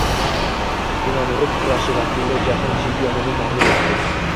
Yunon-rum kurashi vakili jahon chempionini mag‘lub etdi